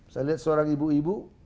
saya lihat seorang ibu ibu